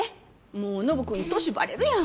もうノブ君に年バレるやん！